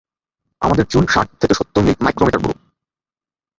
আমাদের চুল ষাট থেকে সত্তর মাইক্রোমিটার পুরু।